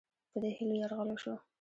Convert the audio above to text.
په دې هیلو یرغل وشو.